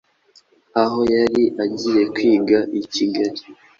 aho yari agiye kwiga i kigali.